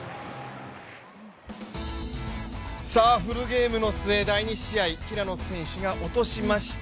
フルゲームの末、第２試合、平野選手が落としました。